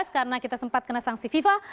karena kita sempat kena sanksi fifa